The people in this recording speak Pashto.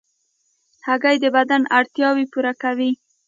هګۍ د بدن اړتیاوې پوره کوي.